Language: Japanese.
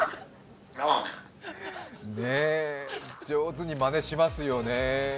上手にまねしますよね。